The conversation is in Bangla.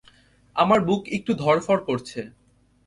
আমার বুক একটু ধড়ফড় করছে।